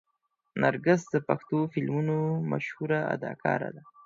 نرګس د پښتو فلمونو مشهوره اداکاره ده.